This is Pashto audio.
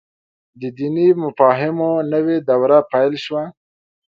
د دیني مفاهیمو نوې دوره پيل شوه.